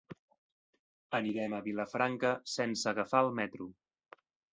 Anirem a Vilafranca sense agafar el metro.